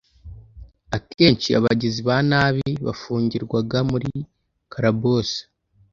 akenshi abagizi ba nabi bafungirwaga muri calaboose